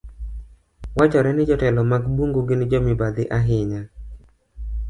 Wachore ni jotelo mag bungu gin jo mibadhi ahinya.